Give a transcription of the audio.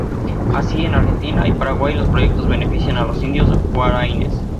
Así, en Argentina y Paraguay los proyectos benefician a los indios guaraníes.